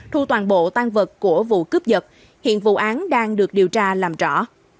thu toàn bộ tan vật của vụ cướp giật hiện vụ án đang được điều tra làm rõ